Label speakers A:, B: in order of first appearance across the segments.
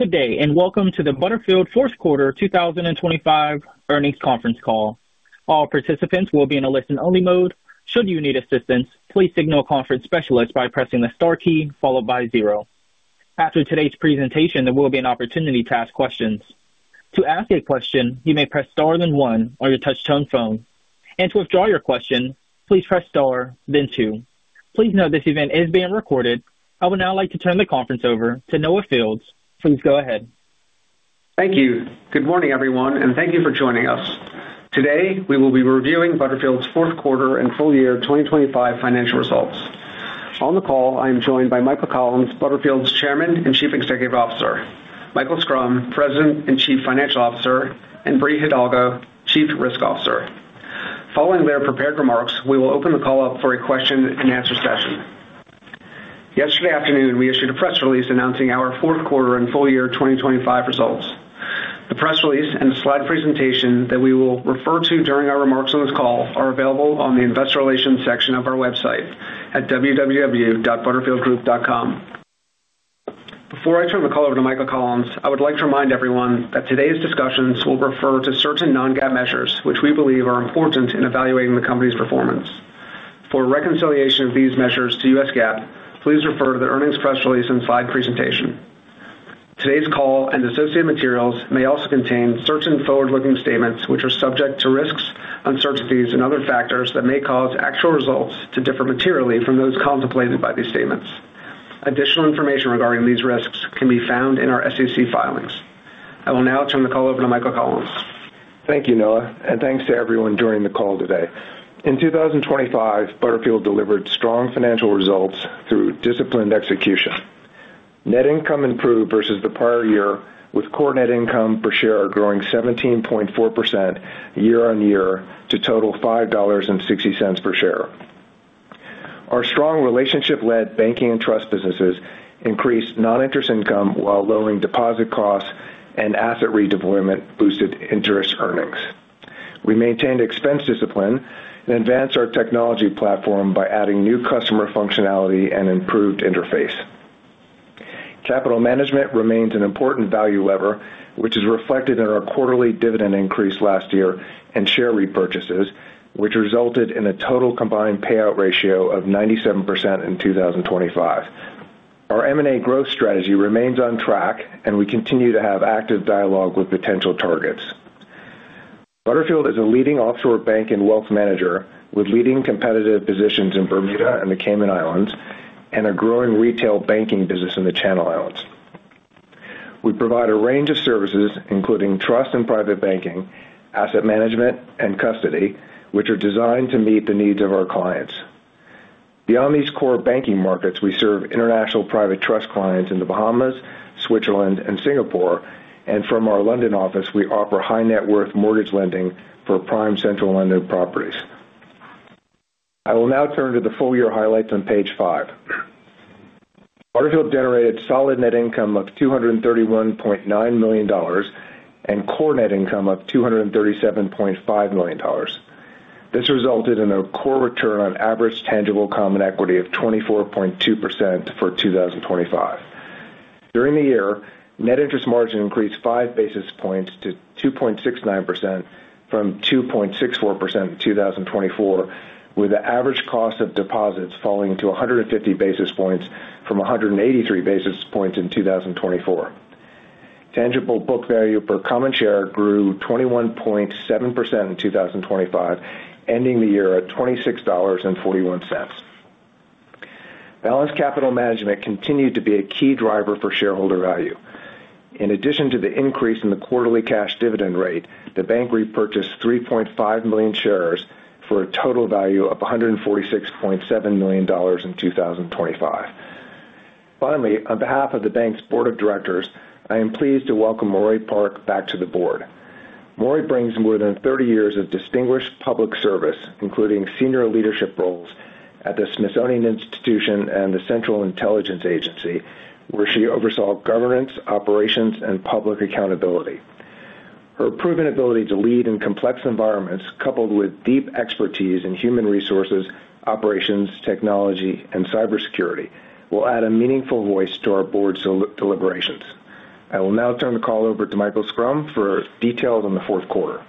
A: Good day, and welcome to the Butterfield Fourth Quarter 2025 Earnings Conference Call. All participants will be in a listen-only mode. Should you need assistance, please signal a conference specialist by pressing the star key followed by 0. After today's presentation, there will be an opportunity to ask questions. To ask a question, you may press star, then one on your touch-tone phone, and to withdraw your question, please press star, then two. Please note this event is being recorded. I would now like to turn the conference over to Noah Fields. Please go ahead.
B: Thank you. Good morning, everyone, and thank you for joining us. Today, we will be reviewing Butterfield's fourth quarter and full year 2025 financial results. On the call, I am joined by Michael Collins, Butterfield's Chairman and Chief Executive Officer, Michael Schrum, President and Chief Financial Officer, and Brie Hidalgo, Chief Risk Officer. Following their prepared remarks, we will open the call up for a question-and-answer session. Yesterday afternoon, we issued a press release announcing our fourth quarter and full year 2025 results. The press release and the slide presentation that we will refer to during our remarks on this call are available on the Investor Relations section of our website at www.butterfieldgroup.com. Before I turn the call over to Michael Collins, I would like to remind everyone that today's discussions will refer to certain non-GAAP measures, which we believe are important in evaluating the company's performance. For a reconciliation of these measures to U.S. GAAP, please refer to the earnings press release and slide presentation. Today's call and associated materials may also contain certain forward-looking statements, which are subject to risks, uncertainties, and other factors that may cause actual results to differ materially from those contemplated by these statements. Additional information regarding these risks can be found in our SEC filings. I will now turn the call over to Michael Collins.
C: Thank you, Noah, and thanks to everyone joining the call today. In 2025, Butterfield delivered strong financial results through disciplined execution. Net income improved versus the prior year, with core net income per share growing 17.4% year on year to total $5.60 per share. Our strong relationship-led banking and trust businesses increased non-interest income while lowering deposit costs and asset redeployment boosted interest earnings. We maintained expense discipline and advanced our technology platform by adding new customer functionality and improved interface. Capital management remains an important value lever, which is reflected in our quarterly dividend increase last year and share repurchases, which resulted in a total combined payout ratio of 97% in 2025. Our M&A growth strategy remains on track, and we continue to have active dialogue with potential targets. Butterfield is a leading offshore bank and wealth manager, with leading competitive positions in Bermuda and the Cayman Islands and a growing retail banking business in the Channel Islands. We provide a range of services, including trust and private banking, asset management, and custody, which are designed to meet the needs of our clients. Beyond these core banking markets, we serve international private trust clients in the Bahamas, Switzerland, and Singapore, and from our London office, we offer high-net-worth mortgage lending for prime Central London properties. I will now turn to the full-year highlights on page five. Butterfield generated solid net income of $231.9 million and core net income of $237.5 million. This resulted in a core return on average tangible common equity of 24.2% for 2025. During the year, net interest margin increased 5 basis points to 2.69% from 2.64% in 2024, with the average cost of deposits falling to 150 basis points from 183 basis points in 2024. Tangible book value per common share grew 21.7% in 2025, ending the year at $26.41. Balanced capital management continued to be a key driver for shareholder value. In addition to the increase in the quarterly cash dividend rate, the bank repurchased 3.5 million shares for a total value of $146.7 million in 2025. Finally, on behalf of the bank's board of directors, I am pleased to welcome Meroë Park back to the board. Meroë brings more than 30 years of distinguished public service, including senior leadership roles at the Smithsonian Institution and the Central Intelligence Agency, where she oversaw governance, operations, and public accountability. Her proven ability to lead in complex environments, coupled with deep expertise in human resources, operations, technology, and cybersecurity, will add a meaningful voice to our board's deliberations. I will now turn the call over to Michael Schrum for details on the fourth quarter.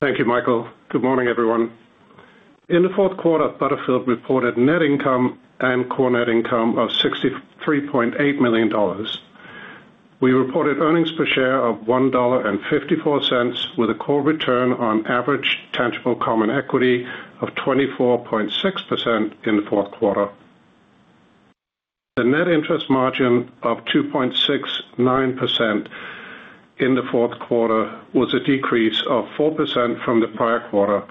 D: Thank you, Michael. Good morning, everyone. In the fourth quarter, Butterfield reported net income and core net income of $63.8 million. We reported earnings per share of $1.54, with a core return on average tangible common equity of 24.6% in the fourth quarter. The net interest margin of 2.69% in the fourth quarter was a decrease of 4% from the prior quarter,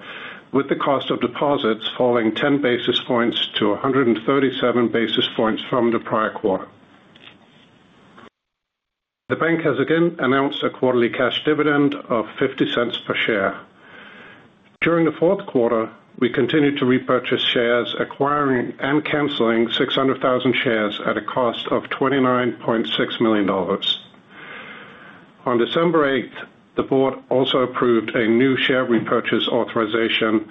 D: with the cost of deposits falling 10 basis points to 137 basis points from the prior quarter. The bank has again announced a quarterly cash dividend of $0.50 per share. During the fourth quarter, we continued to repurchase shares, acquiring and canceling 600,000 shares at a cost of $29.6 million. On December 8th, the board also approved a new share repurchase authorization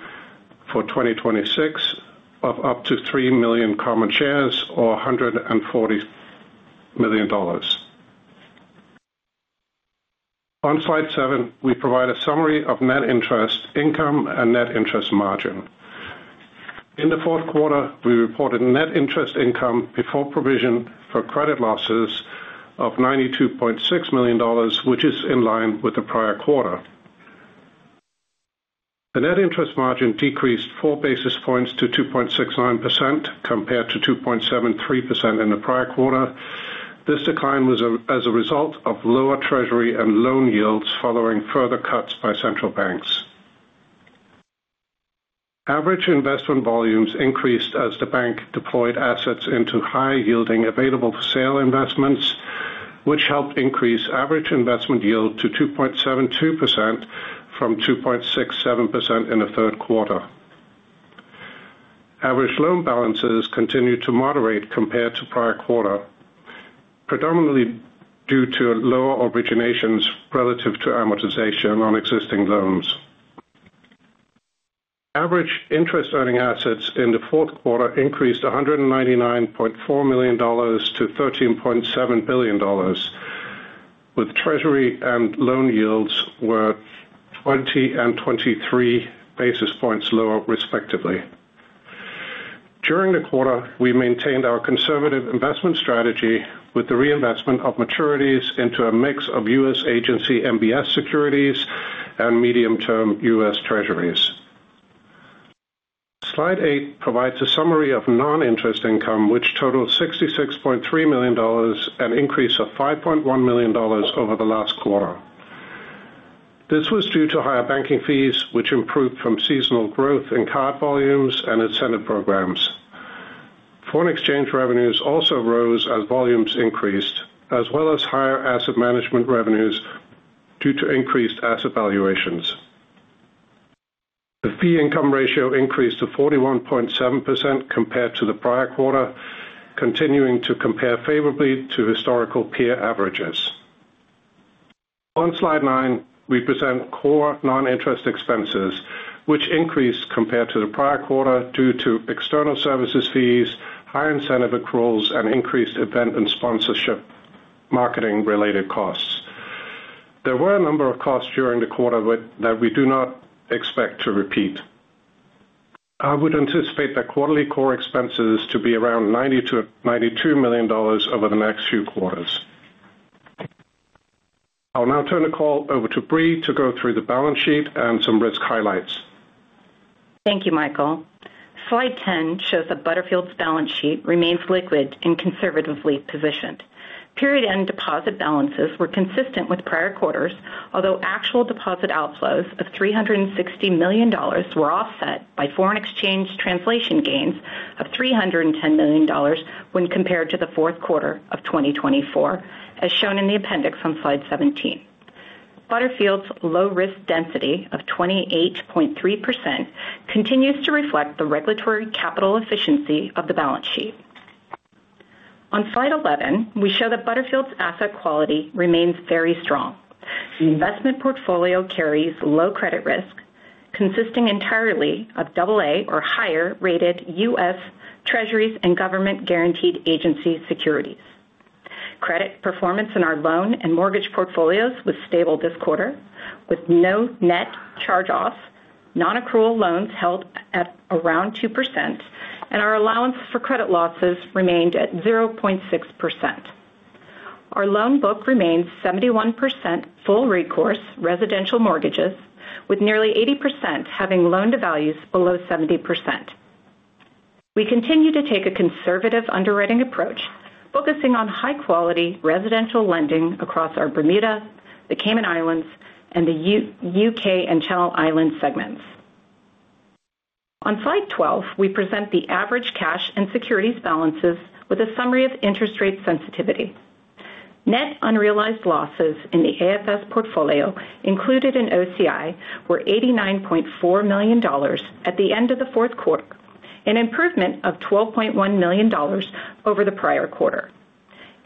D: for 2026 of up to 3 million common shares, or $140 million. On slide seven, we provide a summary of net interest income and net interest margin. In the fourth quarter, we reported net interest income before provision for credit losses of $92.6 million, which is in line with the prior quarter. The net interest margin decreased 4 basis points to 2.69%, compared to 2.73% in the prior quarter. This decline was as a result of lower treasury and loan yields following further cuts by central banks. Average investment volumes increased as the bank deployed assets into high-yielding available-for-sale investments, which helped increase average investment yield to 2.72% from 2.67% in the third quarter. Average loan balances continued to moderate compared to prior quarter, predominantly due to lower originations relative to amortization on existing loans. Average interest earning assets in the fourth quarter increased $199.4 million to $13.7 billion, with treasury and loan yields were 20 and 23 basis points lower, respectively. During the quarter, we maintained our conservative investment strategy with the reinvestment of maturities into a mix of U.S. Agency MBS securities and medium-term U.S. Treasuries. Slide eight provides a summary of non-interest income, which totals $66.3 million, an increase of $5.1 million over the last quarter. This was due to higher banking fees, which improved from seasonal growth in card volumes and incentive programs. Foreign exchange revenues also rose as volumes increased, as well as higher asset management revenues due to increased asset valuations. The fee income ratio increased to 41.7% compared to the prior quarter, continuing to compare favorably to historical peer averages. On slide nine, we present core non-interest expenses, which increased compared to the prior quarter due to external services fees, high incentive accruals, and increased event and sponsorship marketing-related costs. There were a number of costs during the quarter that we do not expect to repeat. I would anticipate that quarterly core expenses to be around $90 million-$92 million over the next few quarters. I'll now turn the call over to Brie to go through the balance sheet and some risk highlights.
E: Thank you, Michael. Slide 10 shows that Butterfield's balance sheet remains liquid and conservatively positioned. Period-end deposit balances were consistent with prior quarters, although actual deposit outflows of $360 million were offset by foreign exchange translation gains of $310 million when compared to the fourth quarter of 2024, as shown in the appendix on slide 17. Butterfield's low risk density of 28.3% continues to reflect the regulatory capital efficiency of the balance sheet. On slide 11, we show that Butterfield's asset quality remains very strong. The investment portfolio carries low credit risk, consisting entirely of Double-A or higher-rated U.S. Treasuries and government-guaranteed agency securities. Credit performance in our loan and mortgage portfolios was stable this quarter, with no net charge-offs, non-accrual loans held at around 2%, and our allowance for credit losses remained at 0.6%. Our loan book remains 71% full recourse residential mortgages, with nearly 80% having loan-to-values below 70%. We continue to take a conservative underwriting approach, focusing on high-quality residential lending across our Bermuda, the Cayman Islands, and the U.K. and Channel Islands segments. On slide 12, we present the average cash and securities balances with a summary of interest rate sensitivity. Net unrealized losses in the AFS portfolio included in OCI were $89.4 million at the end of the fourth quarter, an improvement of $12.1 million over the prior quarter.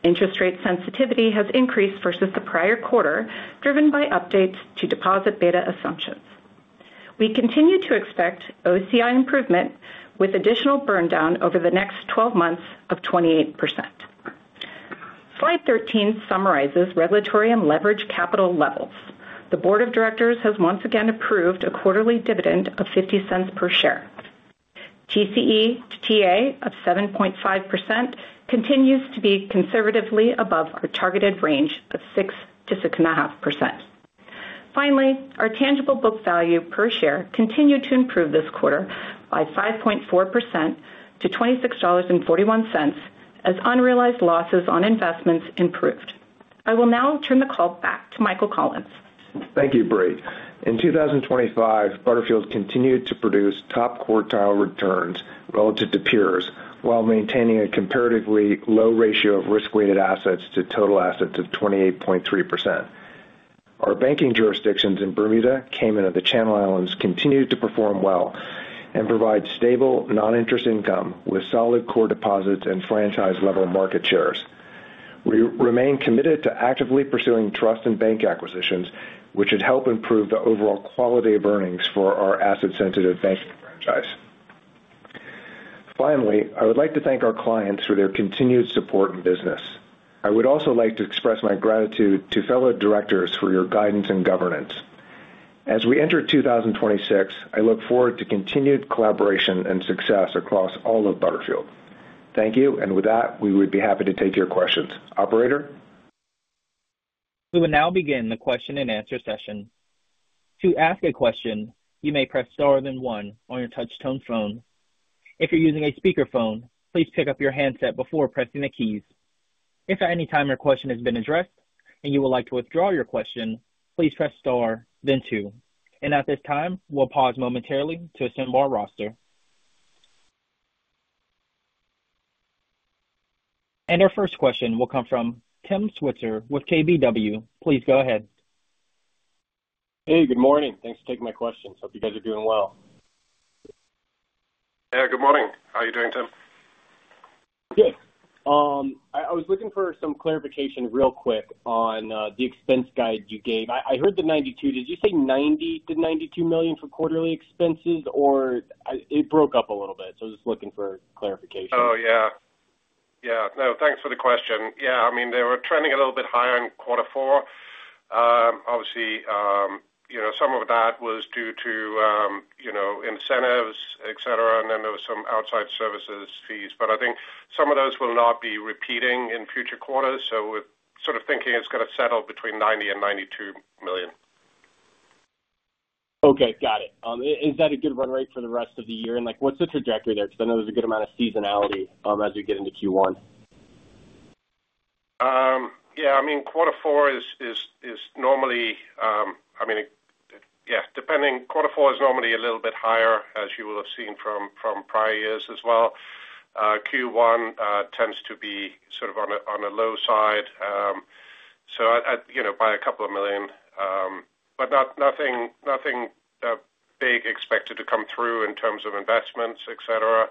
E: Interest rate sensitivity has increased versus the prior quarter, driven by updates to deposit beta assumptions. We continue to expect OCI improvement with additional burndown over the next 12 months of 28%. Slide 13 summarizes regulatory and leverage capital levels. The board of directors has once again approved a quarterly dividend of $0.50 per share. TCE to TA of 7.5% continues to be conservatively above our targeted range of 6%-6.5%. Finally, our tangible book value per share continued to improve this quarter by 5.4% to $26.41, as unrealized losses on investments improved. I will now turn the call back to Michael Collins.
C: Thank you, Brie. In 2025, Butterfield continued to produce top-quartile returns relative to peers, while maintaining a comparatively low ratio of risk-weighted assets to total assets of 28.3%. Our banking jurisdictions in Bermuda, Cayman, and the Channel Islands continue to perform well and provide stable non-interest income with solid core deposits and franchise level market shares. We remain committed to actively pursuing trust and bank acquisitions, which should help improve the overall quality of earnings for our asset sensitive banking franchise. Finally, I would like to thank our clients for their continued support and business. I would also like to express my gratitude to fellow directors for your guidance and governance. As we enter 2026, I look forward to continued collaboration and success across all of Butterfield. Thank you, and with that, we would be happy to take your questions. Operator?
A: We will now begin the question and answer session. To ask a question, you may press star then one on your touch tone phone. If you're using a speakerphone, please pick up your handset before pressing the keys. If at any time your question has been addressed and you would like to withdraw your question, please press star then two. At this time, we'll pause momentarily to assemble our roster. Our first question will come from Tim Switzer with KBW. Please go ahead.
F: Hey, good morning. Thanks for taking my question. Hope you guys are doing well.
D: Yeah, good morning. How are you doing, Tim?
F: Good. I was looking for some clarification real quick on the expense guide you gave. I heard the 92. Did you say $90 million-$92 million for quarterly expenses? Or it broke up a little bit, so I was just looking for clarification.
D: Oh, yeah. Yeah. No, thanks for the question. Yeah, I mean, they were trending a little bit higher in quarter four. Obviously, you know, some of that was due to, you know, incentives, et cetera, and then there was some outside services fees. But I think some of those will not be repeating in future quarters, so we're sort of thinking it's gonna settle between $90 million and $92 million.
F: Okay, got it. Is that a good run rate for the rest of the year? And, like, what's the trajectory there? Because I know there's a good amount of seasonality, as we get into Q1.
D: Yeah, I mean, quarter four is normally a little bit higher, as you will have seen from prior years as well. Q1 tends to be sort of on a low side, so I, you know, by $2 million, but nothing big expected to come through in terms of investments, et cetera,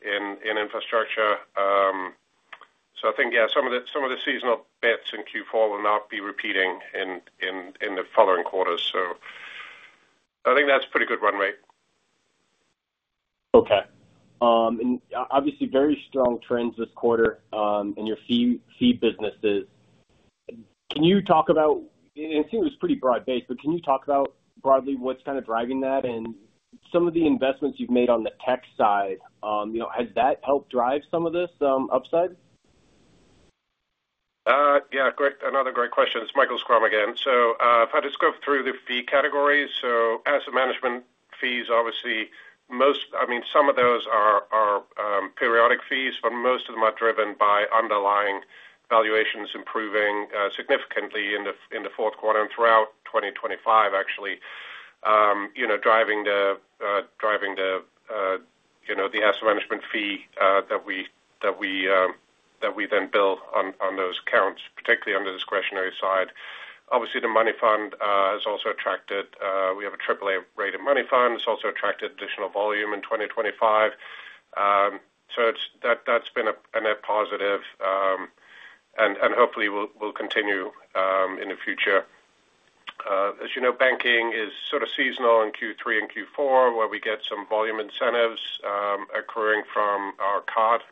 D: in infrastructure. So I think, yeah, some of the seasonal bits in Q4 will not be repeating in the following quarters. So I think that's pretty good runway.
F: Okay. Obviously very strong trends this quarter in your fee, fee businesses. Can you talk about... It seems pretty broad-based, but can you talk about broadly what's kind of driving that and some of the investments you've made on the tech side? You know, has that helped drive some of this upside?
D: Yeah, great. Another great question. It's Michael Schrum again. So, if I just go through the fee categories, so asset management fees, obviously most—I mean, some of those are periodic fees, but most of them are driven by underlying valuations improving significantly in the fourth quarter and throughout 2025, actually. You know, driving the you know, the asset management fee that we then bill on those accounts, particularly on the discretionary side. Obviously, the money fund has also attracted we have a Triple-A rated money fund. It's also attracted additional volume in 2025. So it's that that's been a net positive and hopefully will continue in the future. As you know, banking is sort of seasonal in Q3 and Q4, where we get some volume incentives accruing from our card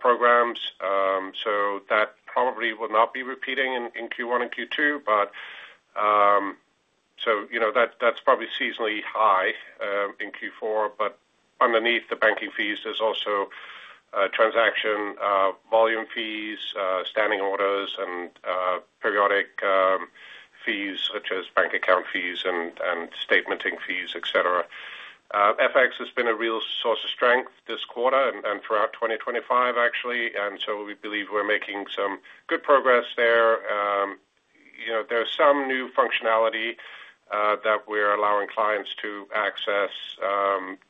D: programs. So that probably will not be repeating in Q1 and Q2. But so, you know, that's probably seasonally high in Q4. But underneath the banking fees, there's also transaction volume fees, standing orders, and periodic fees, such as bank account fees and statementing fees, et cetera. FX has been a real source of strength this quarter and throughout 2025, actually, and so we believe we're making some good progress there. You know, there's some new functionality that we're allowing clients to access,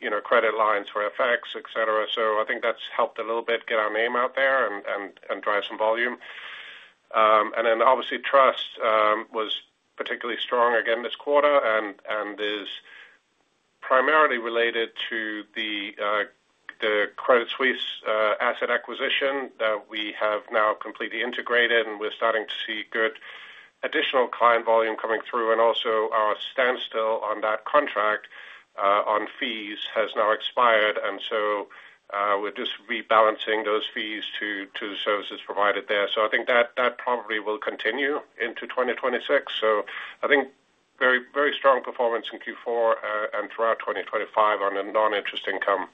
D: you know, credit lines for FX, et cetera. So I think that's helped a little bit get our name out there and drive some volume. And then obviously, trust was particularly strong again this quarter and is primarily related to the Credit Suisse asset acquisition that we have now completely integrated, and we're starting to see good additional client volume coming through. And also our standstill on that contract on fees has now expired, and so, we're just rebalancing those fees to the services provided there. So I think that probably will continue into 2026. So I think very strong performance in Q4 and throughout 2025 on a non-interest income.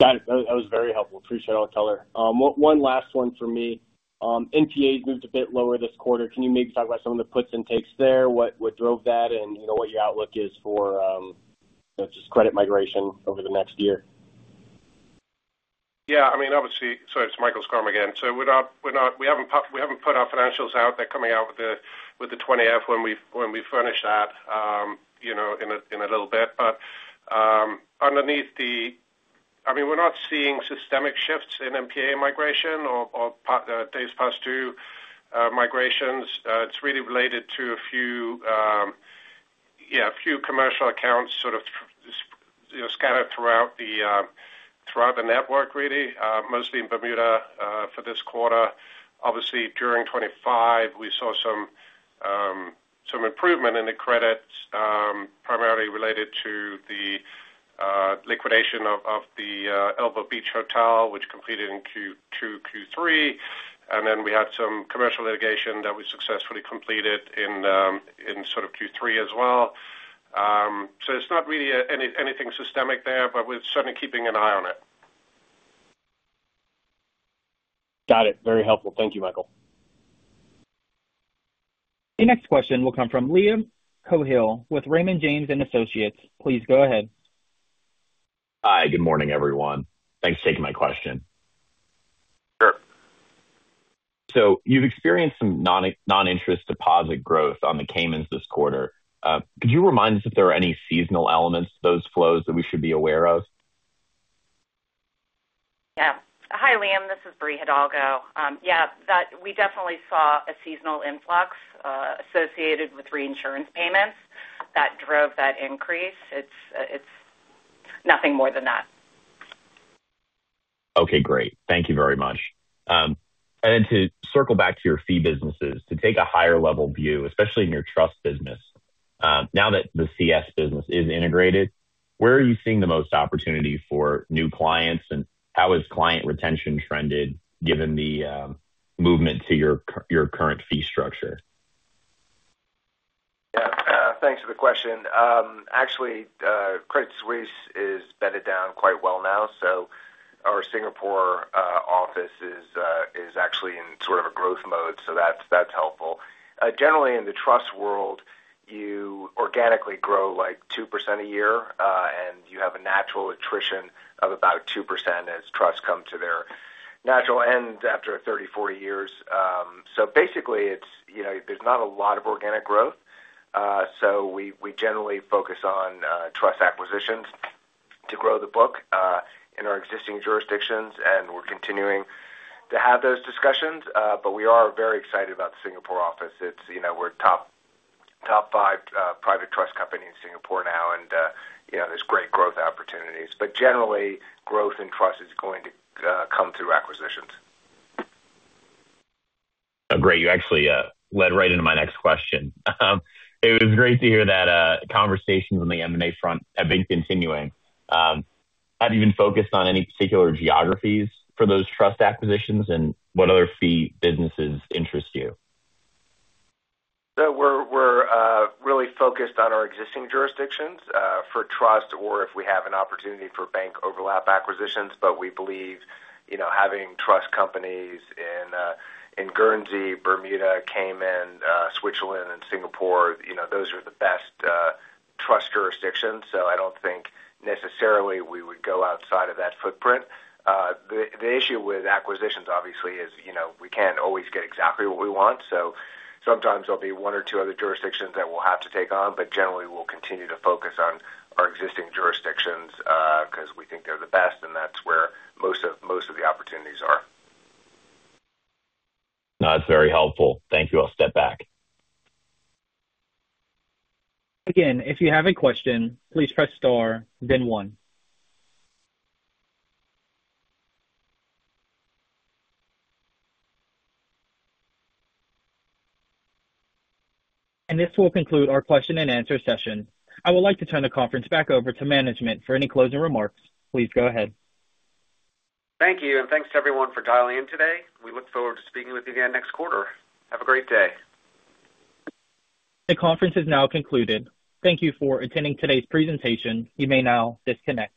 F: Got it. That was very helpful. Appreciate all the color. One last one for me. NPAs moved a bit lower this quarter. Can you maybe talk about some of the puts and takes there? What drove that? And, you know, what your outlook is for just credit migration over the next year.
D: Yeah, I mean, obviously. So it's Michael Schrum again. So we're not, we're not, we haven't put our financials out. They're coming out with the 20-F when we furnish that, you know, in a little bit. But-...
C: I mean, we're not seeing systemic shifts in NPA migration or past due migrations. It's really related to a few commercial accounts sort of, you know, scattered throughout the network, really. Mostly in Bermuda for this quarter. Obviously, during 25, we saw some improvement in the credits primarily related to the liquidation of the Elbow Beach Hotel, which completed in Q2, Q3, and then we had some commercial litigation that we successfully completed in sort of Q3 as well. So it's not really anything systemic there, but we're certainly keeping an eye on it.
F: Got it. Very helpful. Thank you, Michael.
A: The next question will come from Liam Coohill with Raymond James & Associates. Please go ahead.
G: Hi. Good morning, everyone. Thanks for taking my question.
C: Sure.
G: So you've experienced some non-interest deposit growth on the Cayman Islands this quarter. Could you remind us if there are any seasonal elements to those flows that we should be aware of?
E: Yeah. Hi, Liam, this is Brie Hidalgo. Yeah, that we definitely saw a seasonal influx associated with reinsurance payments that drove that increase. It's, it's nothing more than that.
G: Okay, great. Thank you very much. And then to circle back to your fee businesses, to take a higher level view, especially in your trust business, now that the CS business is integrated, where are you seeing the most opportunity for new clients, and how has client retention trended given the, movement to your current fee structure?
C: Yeah. Thanks for the question. Actually, Credit Suisse is bedded down quite well now, so our Singapore office is actually in sort of a growth mode, so that's helpful. Generally, in the trust world, you organically grow, like, 2% a year, and you have a natural attrition of about 2% as trusts come to their natural end after 30, 40 years. So basically, it's, you know, there's not a lot of organic growth, so we generally focus on trust acquisitions to grow the book in our existing jurisdictions, and we're continuing to have those discussions. But we are very excited about the Singapore office. It's, you know, we're top five private trust company in Singapore now, and, you know, there's great growth opportunities. But generally, growth in trust is going to come through acquisitions.
G: Oh, great. You actually led right into my next question. It was great to hear that conversations on the M&A front have been continuing. Have you been focused on any particular geographies for those trust acquisitions, and what other fee businesses interest you?
C: So we're really focused on our existing jurisdictions for trust or if we have an opportunity for bank overlap acquisitions, but we believe, you know, having trust companies in Guernsey, Bermuda, Cayman, Switzerland and Singapore, you know, those are the best trust jurisdictions, so I don't think necessarily we would go outside of that footprint. The issue with acquisitions, obviously, is, you know, we can't always get exactly what we want, so sometimes there'll be one or two other jurisdictions that we'll have to take on, but generally we'll continue to focus on our existing jurisdictions because we think they're the best, and that's where most of the opportunities are.
G: No, that's very helpful. Thank you. I'll step back.
A: Again, if you have a question, please press star then one. This will conclude our question and answer session. I would like to turn the conference back over to management for any closing remarks. Please go ahead.
C: Thank you, and thanks to everyone for dialing in today. We look forward to speaking with you again next quarter. Have a great day.
A: The conference is now concluded. Thank you for attending today's presentation. You may now disconnect.